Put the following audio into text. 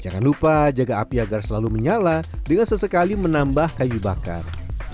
jangan lupa jaga api agar selalu menyala dengan sesekali menambah kayu bakar